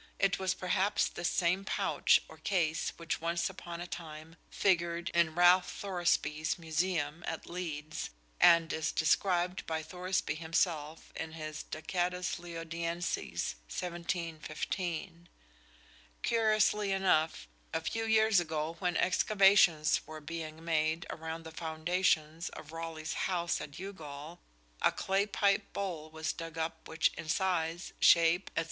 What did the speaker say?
It was perhaps this same pouch or case which once upon a time figured in Ralph Thoresby's museum at Leeds, and is described by Thoresby himself in his "Ducatus Leodiensis," 1715. Curiously enough, a few years ago when excavations were being made around the foundations of Raleigh's house at Youghal a clay pipe bowl was dug up which in size, shape, &c.